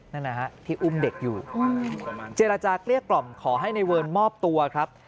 นั่นแหละฮะที่อุ้มเด็กอยู่เจรจาเกลี้ยกล่อมขอให้ในเวิร์นมอบตัวครับ